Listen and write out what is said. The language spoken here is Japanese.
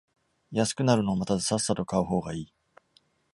安くなるのを待たずさっさと買う方がいい